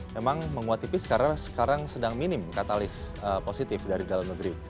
memang menguat tipis karena sekarang sedang minim katalis positif dari dalam negeri